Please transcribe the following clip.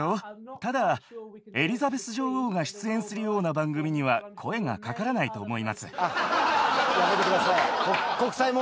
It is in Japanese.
ただ、エリザベス女王が出演するような番組には、声がかからないと思いやめてください。